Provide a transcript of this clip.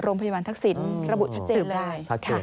โรงพยาบาลทักษิณระบุชัดเจนเลย